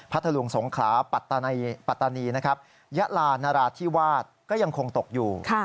ทะลุงสงขลาปัตตานีนะครับยะลานราธิวาสก็ยังคงตกอยู่